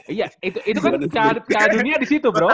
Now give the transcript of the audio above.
iya itu kan dunia di situ bro